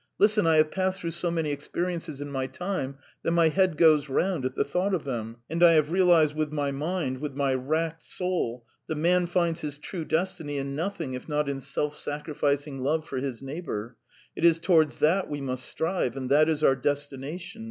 "Listen. I have passed through so many experiences in my time that my head goes round at the thought of them, and I have realised with my mind, with my racked soul, that man finds his true destiny in nothing if not in self sacrificing love for his neighbour. It is towards that we must strive, and that is our destination!